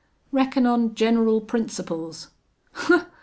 "Reckon on general principles."